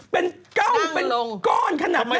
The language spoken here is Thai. เป็นเก้าเป็นก้อนขนาดนั้น